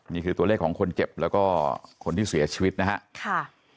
นี่คือตัวเลขของคนเจ็บแล้วก็คนที่เสียชีวิตนะครับ